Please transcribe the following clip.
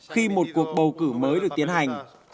khi một cuộc bầu cử mới được tiến hành